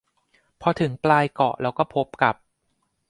พอถึงปลายเกาะเราก็พบกับ